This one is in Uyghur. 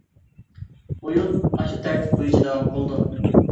ئويۇن ئاشۇ تەرتىپ بويىچە داۋام قىلىدۇ.